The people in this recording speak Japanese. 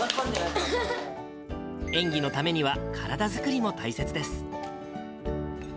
演技のためには体作りも大切です。